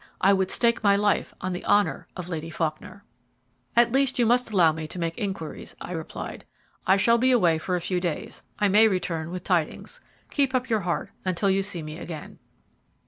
"I would stake my life on the honour of Lady Faulkner." "At least you must allow me to make inquiries," I replied. "I shall be away for a few days. I may return with tidings. Keep up your heart until you see me again."